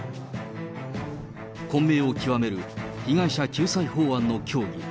混迷を極める被害者救済法案の協議。